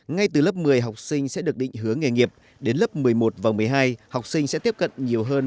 ngay từ lớp một mươi học sinh sẽ được định hướng nghề nghiệp đến lớp một mươi một và một mươi hai học sinh sẽ tiếp cận nhiều hơn